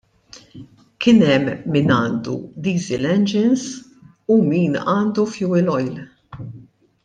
Kien hemm min għandu diesel engines, u min għandu fuel oil.